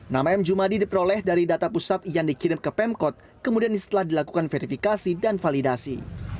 nama m jumadi diperoleh dari data pusat yang dikirim ke pemkot kemudian setelah dilakukan verifikasi dan validasi